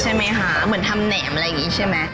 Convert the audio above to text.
ใช่ไหมคะเหมือนทำแหนมอะไรอย่างนี้ใช่ไหม